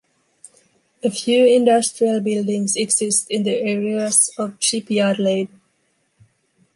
A few industrial buildings exist in the areas of Shipyard Lane.